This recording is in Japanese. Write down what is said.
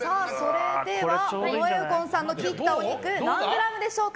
尾上右近さんの切ったお肉何グラムでしょうか？